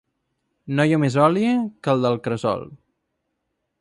No hi ha més oli que el del cresol.